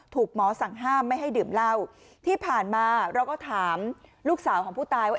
หมอสั่งห้ามไม่ให้ดื่มเหล้าที่ผ่านมาเราก็ถามลูกสาวของผู้ตายว่า